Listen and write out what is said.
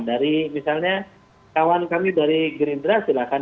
dari misalnya kawan kami dari gerindra silahkan